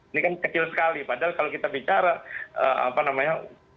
ini kan kecil sekali padahal kalau kita bicara apa namanya